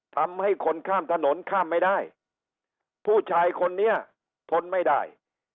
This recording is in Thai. ทำให้คนข้ามถนนข้ามไม่ได้ผู้ชายคนนี้ทนไม่ได้